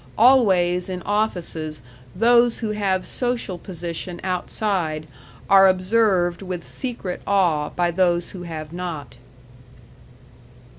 Always in offices those who have social position outside are observed with secret awe by those who have not.